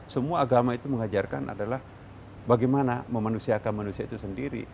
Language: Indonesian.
semua agama itu mengajarkan adalah bagaimana memanusiakan manusia itu sendiri